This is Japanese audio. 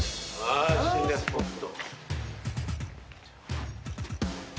心霊スポット。